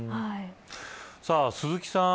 さあ、鈴木さん